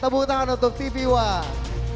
tepuk tangan untuk tv one